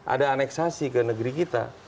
ada aneksasi ke negeri kita